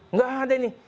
nggak ada ini